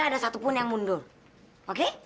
nggak ada satu pun yang mundur oke